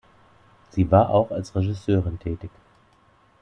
Sie war auch als Regisseurin tätig.